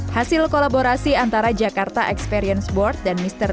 hasil kolaborasi antara jakarta experience board dan mr